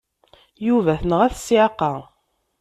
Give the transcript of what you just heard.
Yuba tenɣa-t ssiɛqa.